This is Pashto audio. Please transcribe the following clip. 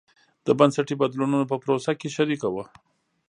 د بنسټي بدلونونو په پروسه کې شریکه وه.